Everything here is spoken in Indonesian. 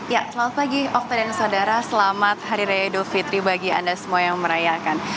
ya selamat pagi okta dan saudara selamat hari raya idul fitri bagi anda semua yang merayakan